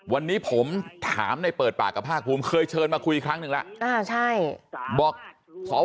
วันนี้ผมถามในเปิดปากกับภาคภูมิเคยเชิญมาคุยครั้งหนึ่งแล้วบอกสว